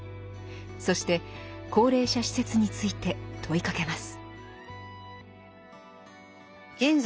そして高齢者施設について問いかけます。